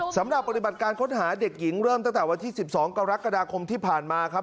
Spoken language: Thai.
สำหรับปฏิบัติการค้นหาเด็กหญิงเริ่มตั้งแต่วันที่๑๒กรกฎาคมที่ผ่านมาครับ